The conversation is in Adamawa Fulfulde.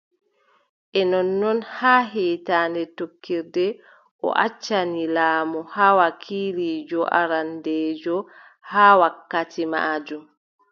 E non boo, haa hiitannde tokkiinde, o accani laamu haa, wakiliijo arandeejo haa wakkati maajum.